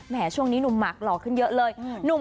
ช่วงนี้หนุ่มหมากหล่อขึ้นเยอะเลย